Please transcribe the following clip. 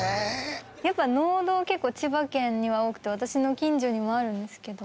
やっぱ農道結構千葉県には多くて私の近所にもあるんですけど。